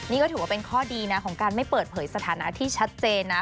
นี่ก็ถือว่าเป็นข้อดีนะของการไม่เปิดเผยสถานะที่ชัดเจนนะ